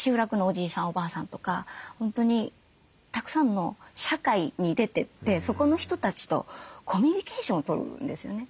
おばあさんとか本当にたくさんの社会に出てってそこの人たちとコミュニケーションを取るんですよね。